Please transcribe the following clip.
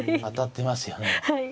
当たってますよね。